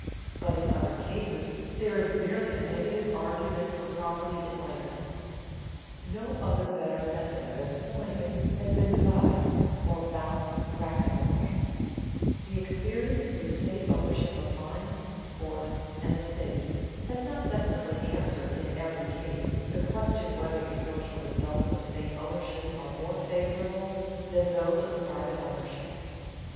But in other cases there is merely a negative argument for property in land: no other better method of employing it has been devised and found practicable The experience with state ownership of mines, forests, and estates has not definitely answered in every case the question whether the social results of state ownership are more favorable than those of private ownership.